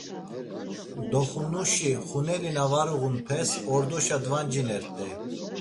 Doxunuşi xuneli na var uğunpes ordoşa dvancinert̆ey.